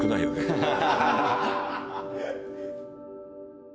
ハハハハ！